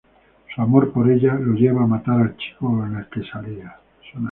Su amor por ella lo lleva a matar al chico con el que salía.